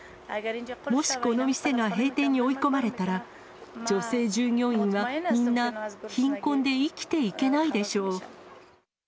もしこの店が閉店に追い込まれたら、女性従業員はみんな貧困で生きていけないでしょう。